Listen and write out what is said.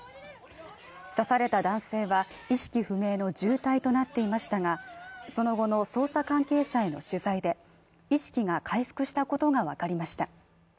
刺された男性は意識不明の重体となっていましたが、その後の捜査関係者への取材で意識が回復したことが分かりました。